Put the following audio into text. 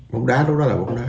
bóng đá lúc đó là bóng đá